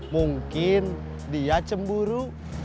mungkin dia cemburu